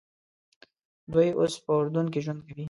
دوی اوس په اردن کې ژوند کوي.